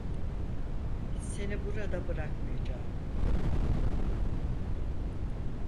Seni burada bırakmayacağım.